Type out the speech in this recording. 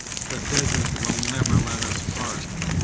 The desert will never let us part."